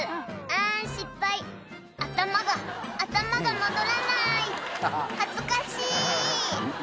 あぁ失敗」「頭が頭が戻らない恥ずかしい」